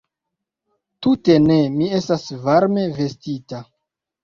Tute ne, mi estas varme vestita.